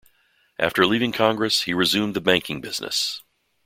After leaving Congress, he resumed the banking business.